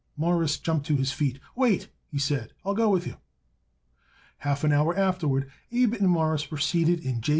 Morris jumped to his feet. "Wait," he said; "I'll go with you." Half an hour afterward Abe and Morris were seated in J.